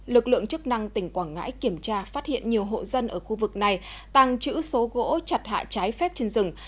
lực lượng chức năng tỉnh quảng ngãi kiểm tra phát hiện nhiều hộ dân ở khu vực này tăng chữ số gỗ chặt hạ trái phép trên rừng